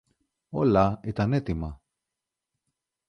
Όλα ήταν έτοιμα.